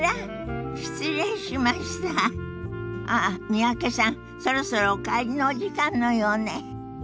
三宅さんそろそろお帰りのお時間のようね。